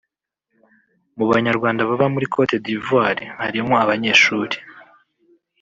Mu banyarwanda baba muri Cote d’Ivoire harimo abanyeshuri